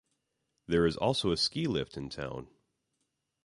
There is also a ski lift in town.